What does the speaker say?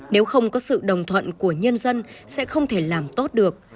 nếu không có sự đồng thuận của nhân dân sẽ không thể làm tốt được